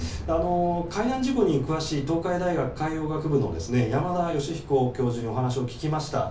海難事故に詳しい東海大学海洋部の山田吉彦教授にお話を聞きました。